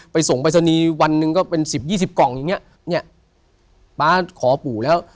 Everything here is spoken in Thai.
ส่งปรายศนีย์วันหนึ่งก็เป็นสิบยี่สิบกล่องอย่างเงี้ยเนี้ยป๊าขอปู่แล้ว